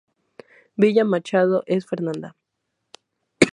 Viña Machado es "Fernanda".